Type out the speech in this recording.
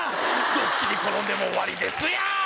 どっちに転んでも終わりですやん。